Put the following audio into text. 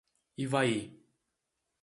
Ivaí